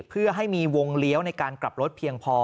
เพื่อให้มีวงเลี้ยวในการกลับรถเพียงพอ